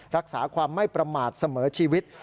รักษาความไม่ประมาทเสมอชีวิต